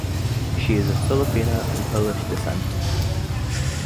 She is of Filipino and Polish descent.